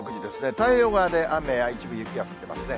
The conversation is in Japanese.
太平洋側で雨や、一部雪が降ってますね。